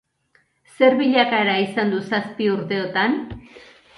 Zer bilakaera izan du zazpi urteotan?